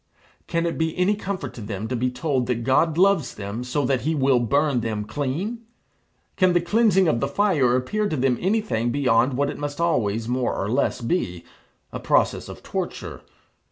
Can it be any comfort to them to be told that God loves them so that he will burn them clean. Can the cleansing of the fire appear to them anything beyond what it must always, more or less, be a process of torture?